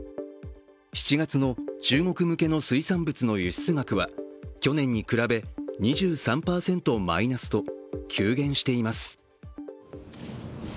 ７月の中国向けの水産物の輸出額は去年に比べ２３％マイナスと急減しています。